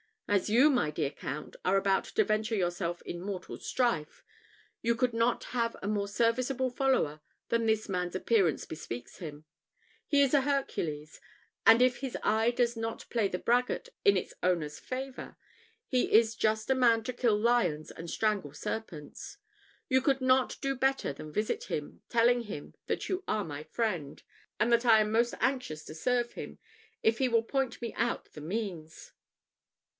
As you, my dear count, are about to venture yourself in mortal strife, you could not have a more serviceable follower than this man's appearance bespeaks him. He is a Hercules; and if his eye does not play the braggart in its owner's favour, he is just a man to kill lions and strangle serpents. You could not do better than visit him, telling him that you are my friend, and that I am most anxious to serve him, if he will point me out the means."